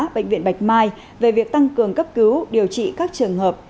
bệnh viện bạch mai về việc tăng cường cấp cứu điều trị các trường hợp